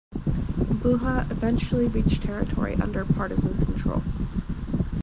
Buha eventually reached territory under Partisan control.